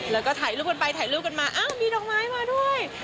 แล้วก็ถ่ายรูปกันไปถ่ายรูปกันมาอ้าวมีดอกไม้มาด้วย